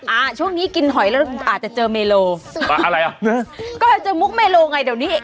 อ่าช่วงนี้กินหอยแล้วอาจจะเจอเมโลมาอะไรอ่ะก็อาจจะมุกเมโลไงเดี๋ยวนี้